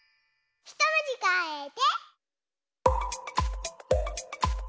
ひともじかえて。